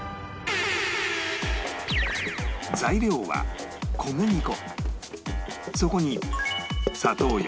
材料は小麦粉